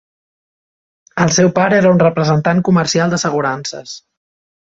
El seu pare era un representant comercial d'assegurances.